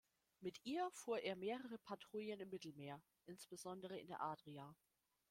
Mit ihr fuhr er mehrere Patrouillen im Mittelmeer, insbesondere in der Adria.